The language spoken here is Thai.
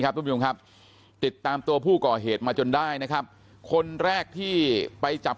ทุกผู้ชมครับติดตามตัวผู้ก่อเหตุมาจนได้นะครับคนแรกที่ไปจับ